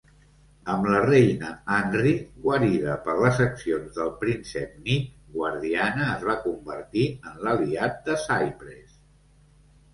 Amb la reina Anri guarida per les accions del príncep Nick, Guardiana es converteix en l'aliat de Cypress.